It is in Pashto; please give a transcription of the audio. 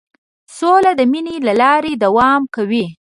سوله د مینې له لارې دوام کوي.